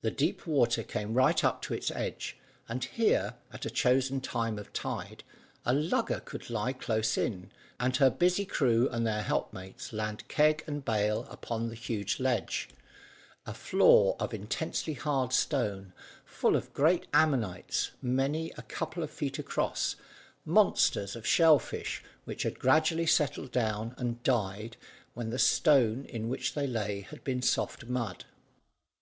The deep water came right up to its edge, and here, at a chosen time of tide, a lugger could lie close in, and her busy crew and their helpmates land keg and bale upon the huge ledge, a floor of intensely hard stone, full of great ammonites, many a couple of feet across, monsters of shell fish, which had gradually settled down and died, when the stone in which they lay had been soft mud.